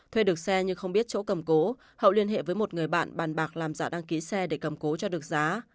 thuê được xe nhưng không biết chỗ cầm cố hậu liên hệ với một người bạn bàn bạc làm giả đăng ký xe để cầm cố cho được giá